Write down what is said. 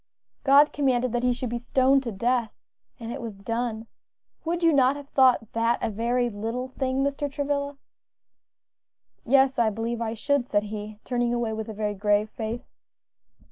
"God commanded that he should be stoned to death, and it was done. Would you not have thought that a very little thing, Mr. Travilla?" "Yes, I believe I should," said he, turning away with a very grave face.